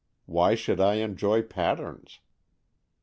Why should I enjoy patterns.